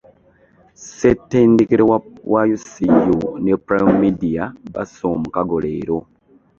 Seettendekero wa UCU ne Prime Media basse omukago leero.